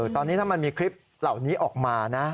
ตอนนี้ถ้ามันมีคลิปเหล่านี้ออกมานะ